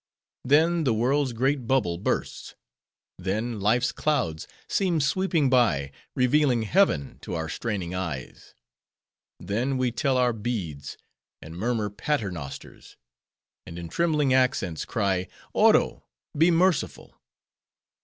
Then, the world's great bubble bursts; then, Life's clouds seem sweeping by, revealing heaven to our straining eyes; then, we tell our beads, and murmur pater nosters; and in trembling accents cry—"Oro! be merciful."